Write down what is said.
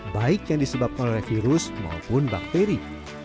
baik yang disebabkan oleh virus maupun bakteri